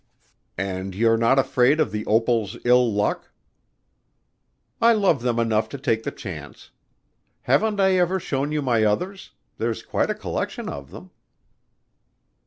"And you're not afraid of the opal's ill luck?" "I love them enough to take the chance. Haven't I ever shown you my others there's quite a collection of them."